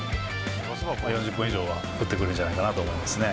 ４０本以上は打ってくれるんじゃないかなと思いますね。